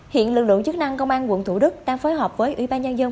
hiện lực lượng chức năng công an quận thủ đức đang phối hợp với ủy ban nhân dân